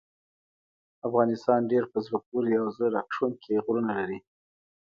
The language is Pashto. افغانستان ډیر په زړه پورې او زړه راښکونکي غرونه لري.